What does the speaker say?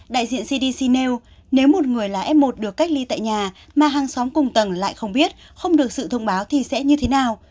đại diện cdc nêu nếu một người là f một được cách ly tại nhà mà hàng xóm cùng tầng lại không biết không được sự thông báo thì sẽ như thế nào